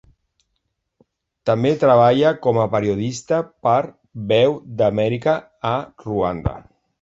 També treballa com a periodista per Veu d'Amèrica a Ruanda.